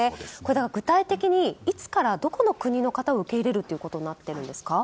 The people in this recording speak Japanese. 具体的にいつからどこの国の方を受け入れるということになってるんですか？